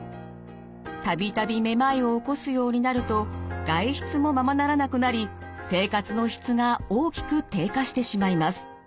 度々めまいを起こすようになると外出もままならなくなり生活の質が大きく低下してしまいます。